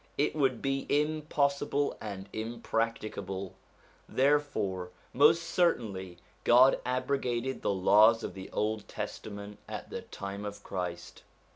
it would be impossible and impracticable ; there fore most certainly God abrogated the laws of the Old Testament at the time of Christ.